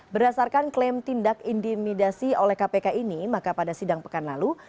berdasarkan klaim tindak intimidasi oleh kpk ini maka pada sidang pekan lalu